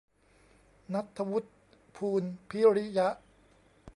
นัฐวุฒิ พูนพิริยะ